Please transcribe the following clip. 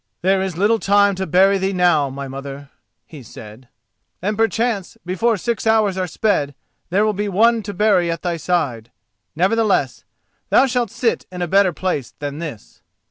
"There is little time to bury thee now, my mother," he said, "and perchance before six hours are sped there will be one to bury at thy side. Nevertheless, thou shalt sit in a better place than this."